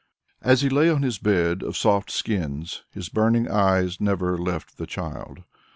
As he lay on his bed of soft skins his burning eyes never left the child.